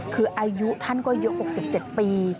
คืออายุท่านก็อายุ๖๗ปี